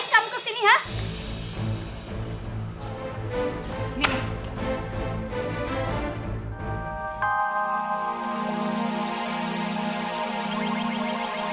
sah kita harus lebih baik